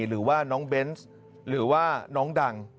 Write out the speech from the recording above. หรือว่าน้องเบนส์หรือว่าน้องดัง